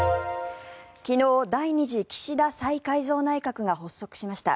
昨日、第２次岸田再改造内閣が発足しました。